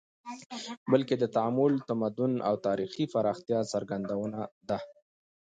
بلکې د تعامل، تمدن او تاریخي پراختیا څرګندونه ده